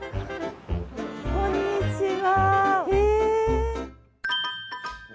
こんにちは。